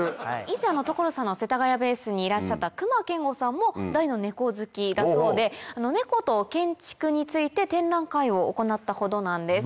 以前所さんの世田谷ベースにいらっしゃった隈研吾さんも大のネコ好きだそうでネコと建築について展覧会を行ったほどなんです。